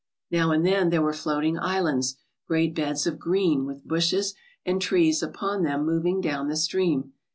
Now and then there were floating islands, great beds of green, with bushes and trees upon them moving 'down the stream.